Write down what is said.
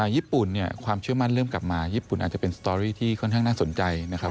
ญี่ปุ่นเนี่ยความเชื่อมั่นเริ่มกลับมาญี่ปุ่นอาจจะเป็นสตอรี่ที่ค่อนข้างน่าสนใจนะครับ